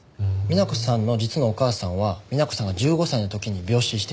美奈子さんの実のお母さんは美奈子さんが１５歳の時に病死しています。